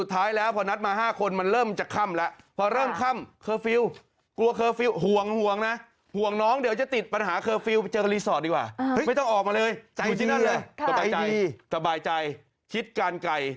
เธอนั้นเลยตะไบใจคิดกันไกล